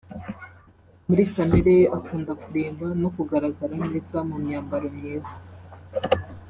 muri kamere ye akunda kurimba no kugaragara neza mu myambaro myiza